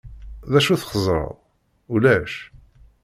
D acu txeẓẓreḍ? Ulac.